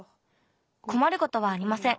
こまることはありません。